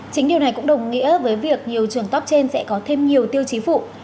chính điều này cũng đồng nghĩa với việc nhiều trường top trên sẽ có thêm nhiều tiêu chí phụ